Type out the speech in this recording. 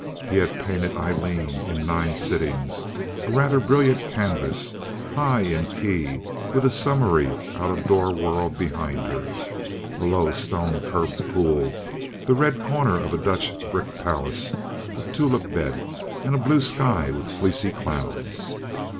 He had painted Aileen in nine sittings, a rather brilliant canvas, high in key, with a summery, out of door world behind her—a low stone curbed pool, the red corner of a Dutch brick palace, a tulip bed, and a blue sky with fleecy clouds.